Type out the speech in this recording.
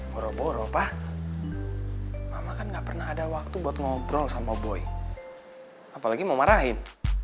boroboro pa mama kan gak pernah ada waktu buat ngobrol sama boy apalagi mau marahin